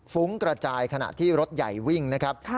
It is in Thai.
ฟุ้งกระจายขณะที่รถใหญ่วิ่งนะครับ